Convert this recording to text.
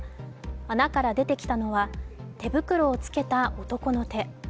穴から出てきたのは手袋を着けた男の手。